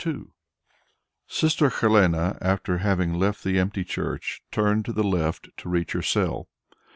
II Sister Helene, after having left the empty church, turned to the left to reach her cell.